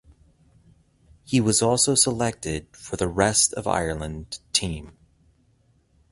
He was also selected for the Rest of Ireland team.